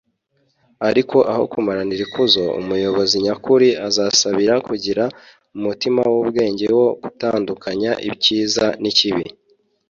ariko aho kumaranira ikuzo, umuyobozi nyakuri azasabira kugira umutima w'ubwenge wo gutandukanya icyiza n'ikibi